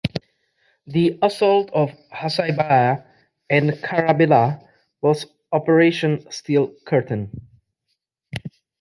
The assault of Husaybah and Karabilah was "Operation: Steel Curtain".